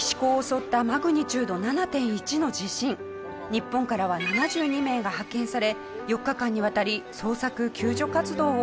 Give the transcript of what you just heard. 日本からは７２名が派遣され４日間にわたり捜索救助活動を行いました。